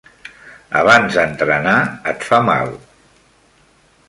Abans d'entrenar, et fa mal.